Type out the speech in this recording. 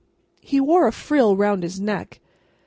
He wore a frill round his neck.